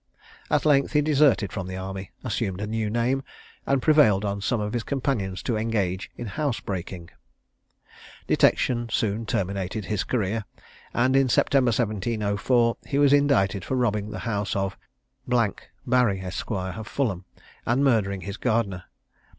At length he deserted from the army, assumed a new name, and prevailed on some of his companions to engage in housebreaking. Detection soon terminated his career, and in September 1704, he was indicted for robbing the house of Barry, Esq. of Fulham, and murdering his gardener.